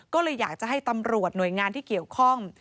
ก็เลยอยากจะให้ตำรวจหน่วยงานที่เกี่ยวข้อง